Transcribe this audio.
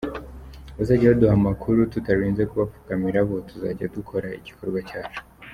Abazajya baduha amakuru tutarinze kubapfukamira bo tuzajya dukora igikorwa cyacu.